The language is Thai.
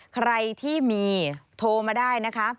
ใครที่มีโทรมาได้นะคะ